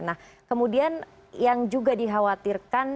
nah kemudian yang juga dikhawatirkan